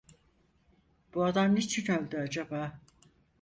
Bu adam niçin öldü acaba?